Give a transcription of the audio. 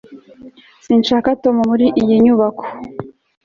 sinshaka tom muri iyi nyubako